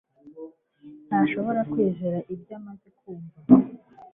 ntashobora kwizera ibyo amaze kumva